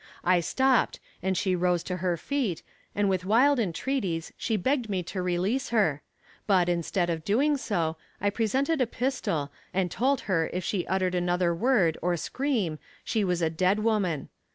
I stopped, and she rose to her feet, and with wild entreaties she begged me to release her, but, instead of doing so, I presented a pistol, and told her that if she uttered another word or scream she was a dead woman.